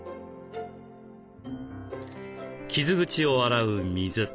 傷口を洗う水。